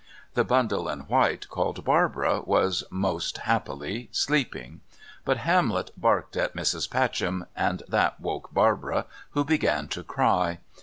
The bundle in white called Barbara was, most happily, sleeping; but Hamlet barked at Mrs. Pateham, and that woke Barbara, who began to cry.